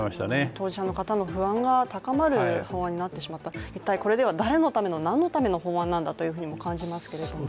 当事者の方の不安が高まる法案になってしまった、一体これでは誰のための、何のための法案なんだと感じますけれども。